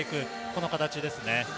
この形ですね。